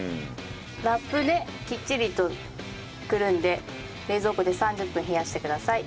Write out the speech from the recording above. ラップできっちりとくるんで冷蔵庫で３０分冷やしてください。